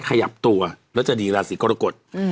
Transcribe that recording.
ขยับตัวแล้วจะดีราศีกรกฎ